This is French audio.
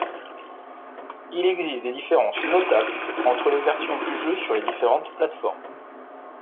Il existe des différences notables entre les versions du jeu sur les différentes plateformes.